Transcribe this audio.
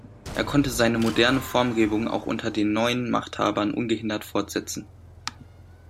Er konnte seine moderne Formgebung auch unter den neuen Machthabern ungehindert fortsetzen.